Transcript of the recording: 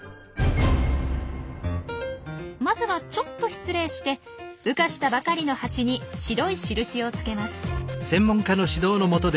まずはちょっと失礼して羽化したばかりのハチに白い印を付けます。